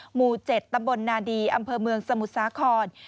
หมู่๗ตำบลนาดีอำเภอเมืองสมุทรสาคร